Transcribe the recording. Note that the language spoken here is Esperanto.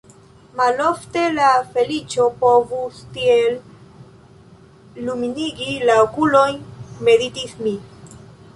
Malofte la feliĉo povus tiel lumigi la okulojn – meditis mi.